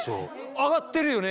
上がってるよね。